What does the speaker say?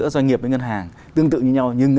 đối với ngân hàng